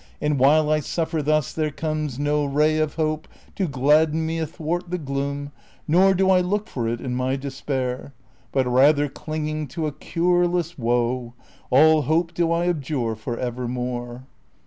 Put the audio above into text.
And while I siiffer thus, there comes no ray Of hope to gladden me athwart the gloom ; Nor do I look for it in my despair ; But rather clinging to a cureless woe, All hope do I abjure for evermore.